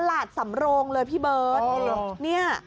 ตลาดสำโรงเลยพี่เบิร์ท